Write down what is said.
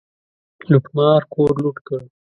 لوټمار کور لوټ کړ.